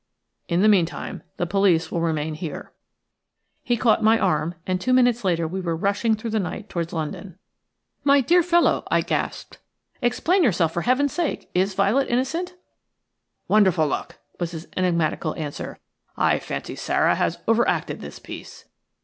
In the meantime the police will remain here." "TWO MINUTES LATER WE WERE RUSHING THROUGH THE NIGHT TOWARDS LONDON." He caught my arm, and two minutes later we were rushing through the night towards London. "My dear fellow," I gasped, "explain yourself, for Heaven's sake. Is Violet innocent?" "Wonderful luck," was his enigmatical answer. "I fancy Sara has over acted this piece."